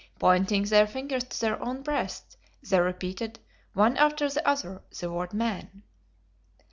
Pointing their fingers to their own breasts they repeated, one after the other, the word "man."